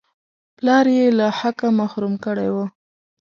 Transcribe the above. پلار یې له حقه محروم کړی وو.